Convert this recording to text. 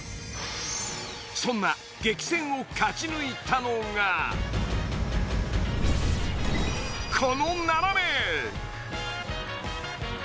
そんな激戦を勝ち抜いたのがこの７名。